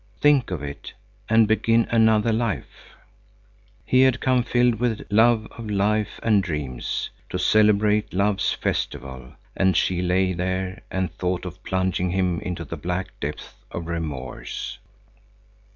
Think of it, and begin another life!" He had come filled with love of life and dreams to celebrate love's festival, and she lay there and thought of plunging him into the black depths of remorse.